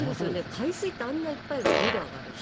海水ってあんないっぱいが５度上がるって。